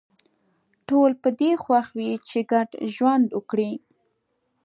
ټول په دې خوښ وي چې ګډ ژوند وکړي